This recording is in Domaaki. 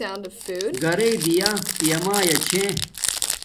گھرݵݵ دییا پیا میا چھے